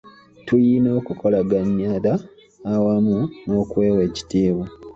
Tuyina okukolaganira awamu n’okwewa ekitiibwa